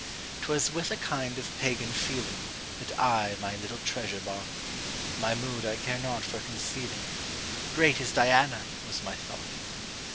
'T was with a kind of pagan feelingThat I my little treasure bought,—My mood I care not for concealing,—"Great is Diana!" was my thought.